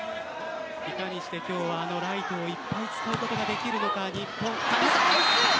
いかにして今日はライトを使うことができるのか日本。